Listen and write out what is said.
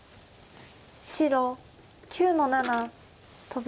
白９の七トビ。